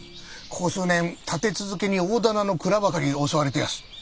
ここ数年立て続けに大店の蔵ばかり襲われてやす。